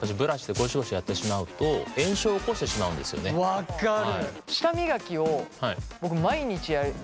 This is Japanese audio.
分かる。